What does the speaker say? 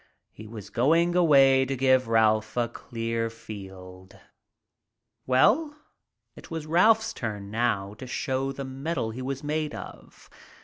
He was going away to give Ralph a clear field. Well, it was Ralph's turn now to show the mettle he was made of.